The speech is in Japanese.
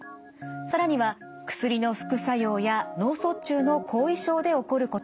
更には薬の副作用や脳卒中の後遺症で起こることもあります。